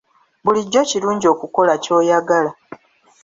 Bulijjo kirungi okukola ky'oyagala.